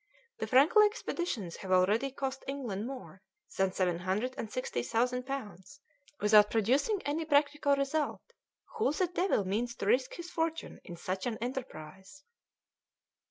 The Franklin expeditions have already cost England more than seven hundred and sixty thousand pounds without producing any practical result. Who the devil means to risk his fortune in such an enterprise?"